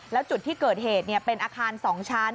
แล้วจุดที่เกิดเหตุเป็นอาคาร๒ชั้น